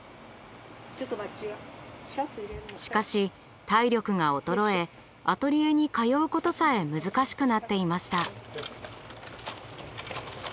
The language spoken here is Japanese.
しかし体力が衰えアトリエに通うことさえ難しくなっていました。